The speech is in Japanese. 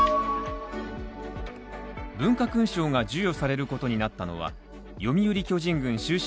文化勲章が授与されることになったのは読売巨人軍終身